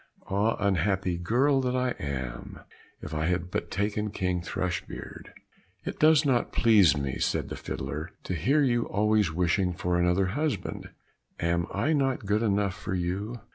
"Ah, unhappy girl that I am, if I had but taken King Thrushbeard!" "It does not please me," said the fiddler, "to hear you always wishing for another husband; am I not good enough for you?"